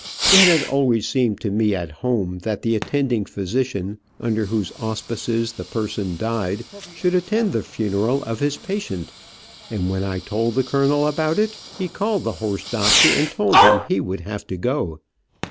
It had always seemed to me at home that the attending physician, under whose auspices the person died, should attend the funeral of his patient, and when I told the colonel about it, he called the horse doctor and told him he would have to go.